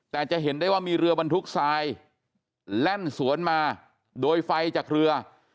แต่จะเห็นได้ว่ามีเรือบรรทุกทรายแล่นสวนมาโดยไฟจากเรือ